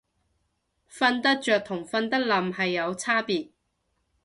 瞓得着同瞓得稔係有差別